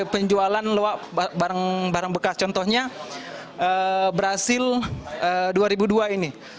penjualan barang bekas contohnya brazil dua ribu dua ini